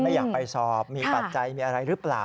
อยากไปสอบมีปัจจัยมีอะไรหรือเปล่า